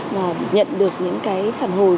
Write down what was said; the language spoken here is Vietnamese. và nhận được những cái phản hồi